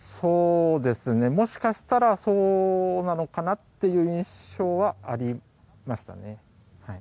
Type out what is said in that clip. もしかしたら、そうなのかなという印象はありました。